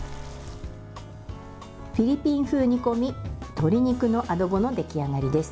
フィリピン風煮込み鶏肉のアドボの出来上がりです。